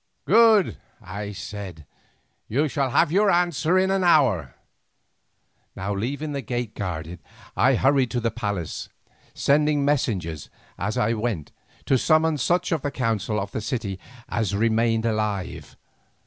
"Good," I said; "you shall have your answer in an hour." Now, leaving the gate guarded, I hurried to the palace, sending messengers as I went to summon such of the council of the city as remained alive.